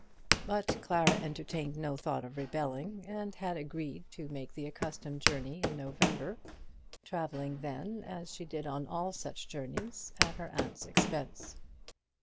But Clara entertained no thought of rebelling, and had agreed to make the accustomed journey in November, travelling then, as she did on all such journeys, at her aunt's expense.